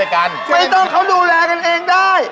ไม่ต้องเขาดูแลกันเองได้